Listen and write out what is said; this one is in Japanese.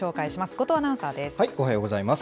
後藤アナウンサーです。